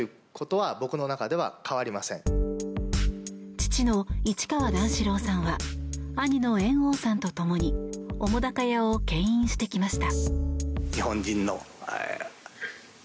父の市川段四郎さんは兄の猿翁さんと共に澤瀉屋を牽引してきました。